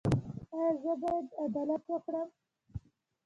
ایا زه باید عدالت وکړم؟